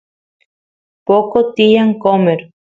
poqo tiyan qomer